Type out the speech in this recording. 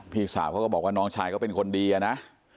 พี่สาวเขาก็บอกว่าน้องชายก็เป็นคนดีอะนะ